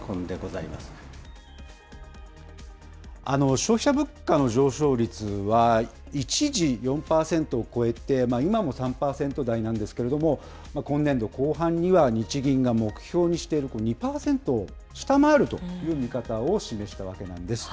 消費者物価の上昇率は一時４％を超えて、今も３％台なんですけれども、今年度後半には、日銀が目標にしている２％を下回るという見方を示したわけなんです。